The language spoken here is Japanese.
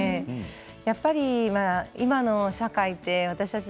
やっぱり、今の社会って私たち